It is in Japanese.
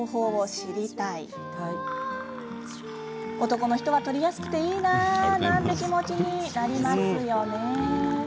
男の人は採りやすくていいななんて気持ちに、なりますよね。